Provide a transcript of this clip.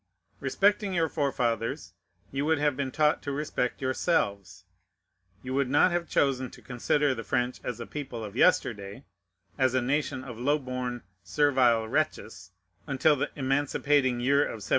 Respecting your forefathers, you would have been taught to respect yourselves. You would not have chosen to consider the French as a people of yesterday, as a nation of low born, servile wretches until the emancipating year of 1789.